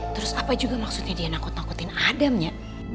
terus apa juga maksudnya dia nakut nakutin adamnya